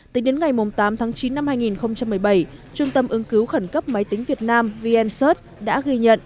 tính đến ngày tám tháng chín năm hai nghìn một mươi bảy trung tâm ứng cứu khẩn cấp máy tính việt nam vncert đã ghi nhận